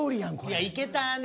いやいけたね。